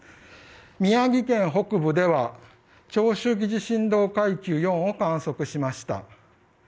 宮城県北部では長周期地震動階級４を観測しました。